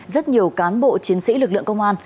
rất nhiều cán bộ chiến sĩ lực lượng công an